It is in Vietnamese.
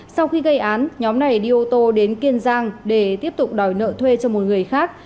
sau khi gây án nhóm này đi ô tô đến kiên giang để tiếp tục đòi nợ thuê cho một người khác